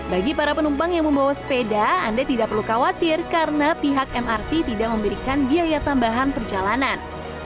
bagi para penumpang yang membawa sepeda anda tidak perlu khawatir karena pihak mrt tidak memberikan biaya tambahan perjalanan